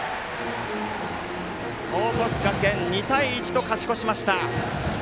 報徳学園２対１と勝ち越しました。